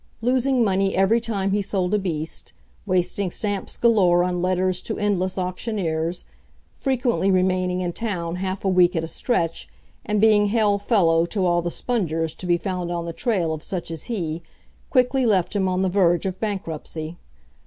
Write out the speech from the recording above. Losing money every time he sold a beast, wasting stamps galore on letters to endless auctioneers, frequently remaining in town half a week at a stretch, and being hail fellow to all the spongers to be found on the trail of such as he, quickly left him on the verge of bankruptcy.